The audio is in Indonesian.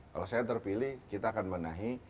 kalau saya terpilih kita akan benahi